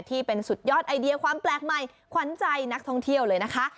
ที่เป็นสุดยอดไอเดียความแปลกใหม่ขวัญใจนักท่องเที่ยวเลยนะคะ